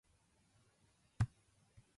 空気読めるロボットを本気でつくります。